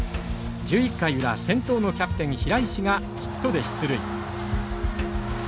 １１回裏先頭のキャプテン平石がヒットで出塁。